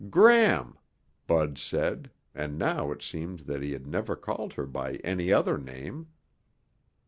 "Gram," Bud said, and now it seemed that he had never called her by any other name.